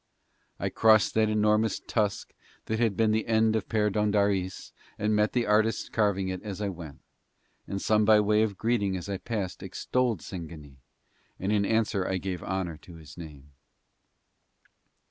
I crossed that enormous tusk that had been the end of Perdóndaris and met the artists carving it as I went; and some by way of greeting as I passed extolled Singanee, and in answer I gave honour to his name.